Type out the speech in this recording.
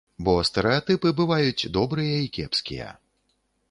Бо стэрэатыпы бываюць добрыя і кепскія.